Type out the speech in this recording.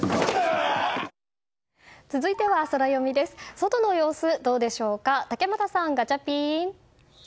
外の様子、どうでしょうか竹俣さん、ガチャピン。